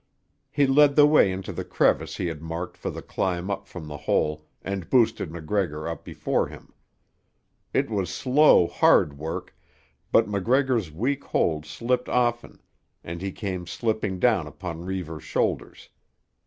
He led the way into the crevice he had marked for the climb up from the hole and boosted MacGregor up before him. It was slow, hard work, but MacGregor's weak hold slipped often, and he came slipping down upon Reivers' shoulders.